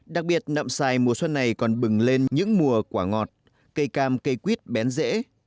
đặc biệt nậm xài mùa xuân này còn bừng lên những mùa quả ngọt cây cam cây quýt bén dễ